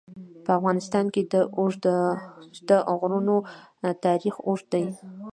په افغانستان کې د اوږده غرونه تاریخ اوږد دی.